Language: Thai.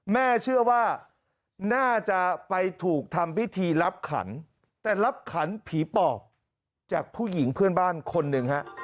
แม่เชื่อว่าน่าจะไปถูกทำพิธีรับขันแต่รับขันผีปอบจากผู้หญิงเพื่อนบ้านคนหนึ่งฮะ